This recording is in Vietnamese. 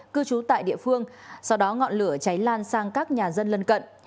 cư trú tại địa phương sau đó ngọn lửa cháy lan sang các nhà dân lân cận